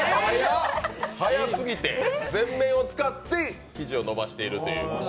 全面を使って生地を伸ばしているという。